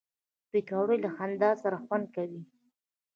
پکورې له خندا سره خوند کوي